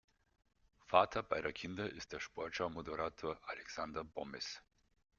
Vater beider Kinder ist der "Sportschau"-Moderator Alexander Bommes.